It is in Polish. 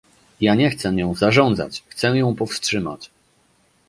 Ja nie chcę nią zarządzać, chcę ją powstrzymać